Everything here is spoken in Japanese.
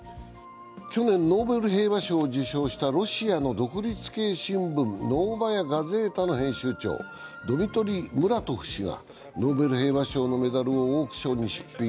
去年ノーベル平和賞を受賞したロシアの独立系新聞「ノーバヤ・ガゼータ」の編集長ドミトリー・ムラトフ氏がノーベル平和賞のメダルをオークションに出品。